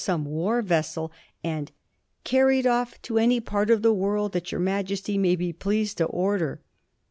xxviil some war vessel and " carried off to any part of the world that your Majesty may be pleased to order."